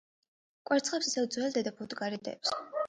კვერცხებს ისევ ძველი დედა ფუტკარი დებს.